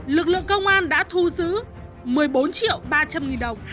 lực lượng công an đã thu giữ một mươi bốn triệu ba trăm linh nghìn đồng